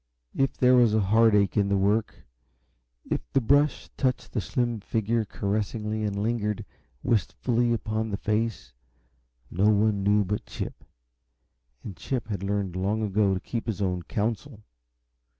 If there was a heartache in the work, if the brush touched the slim figure caressingly and lingered wistfully upon the face, no one knew but Chip, and Chip had learned long ago to keep his own counsel.